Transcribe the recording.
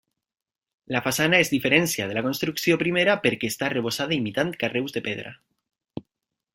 La façana es diferencia de la construcció primera perquè està arrebossada imitant carreus de pedra.